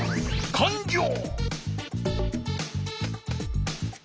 かんりょう！